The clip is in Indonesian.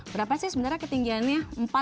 berapa sih sebenarnya ketinggiannya